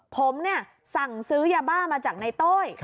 ผมเนี่ยสั่งซื้อยาบ้ามาจากในโต้ย